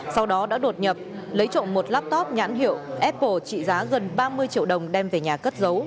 sau đó đã đột nhập lấy trộm một laptop nhãn hiệu apple trị giá gần ba mươi triệu đồng đem về nhà cất giấu